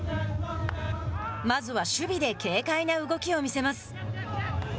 まずは守備で軽快な動きを見せます。